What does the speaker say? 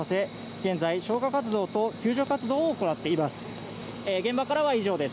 現在、消火活動と救助活動を行っています。